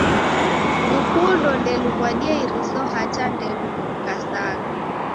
Llukundo ndeluw'adie iriso hata ndelukukasagha.